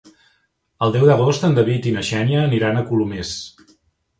El deu d'agost en David i na Xènia aniran a Colomers.